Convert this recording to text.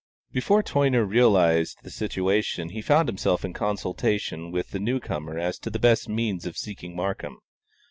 Before Toyner realised the situation he found himself in consultation with the new comer as to the best means of seeking Markham.